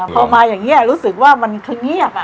พอมาอย่างนี้รู้สึกว่ามันคือเงียบ